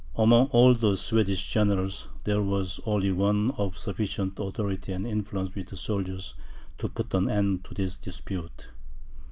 Among all the Swedish generals, there was only one of sufficient authority and influence with the soldiers to put an end to this dispute.